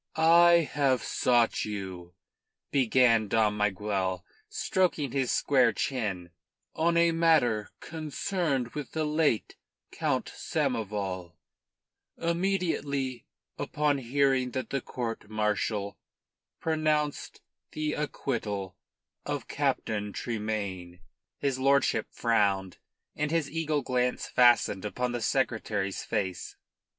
"I have sought you," began Dom Miguel, stroking his square chin, "on a matter concerned with the late Count Samoval, immediately upon hearing that the court martial pronounced the acquittal of Captain Tremayne." His lordship frowned, and his eagle glance fastened upon the Secretary's face.